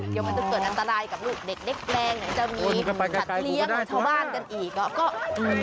เดี๋ยวมันจะเกิดอันตรายกับลูกเด็กแรงจะมีสัตว์เรียกของชาวบ้านกันอีก